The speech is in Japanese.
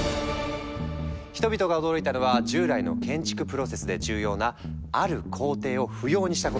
人々が驚いたのは従来の建築プロセスで重要なある工程を不要にしたことなんだ。